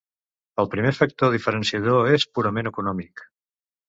El primer factor diferenciador és purament econòmic.